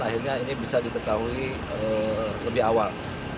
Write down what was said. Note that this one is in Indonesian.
akhirnya ini bisa diketahui lebih awal